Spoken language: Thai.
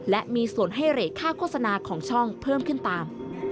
และมีส่วนให้เหร่ค่าโฆษณาของช่องเพิ่มขึ้นตาม